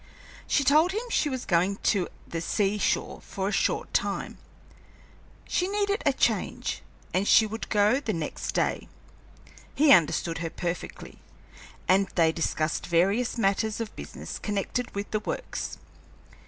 She told him she was going to the sea shore for a short time; she needed a change, and she would go the next day. He understood her perfectly, and they discussed various matters of business connected with the Works.